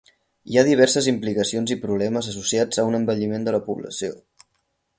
Hi ha diverses implicacions i problemes associats a un envelliment de la població.